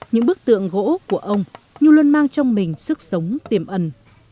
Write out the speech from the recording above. những bức tượng gỗ của ông luôn luôn mang trong mình sức sống tiềm ẩn